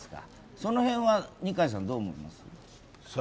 その辺は二階さんどう思います？